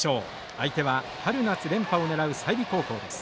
相手は春夏連覇を狙う済美高校です。